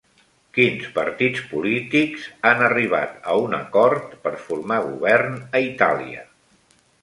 Quins partits polítics han arribat a un acord per formar govern a Itàlia?